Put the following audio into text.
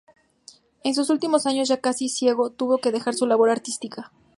En sus últimos años, ya casi ciego, tuvo que dejar su labor artística.